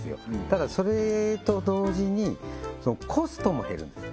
ただそれと同時にコストも減るんです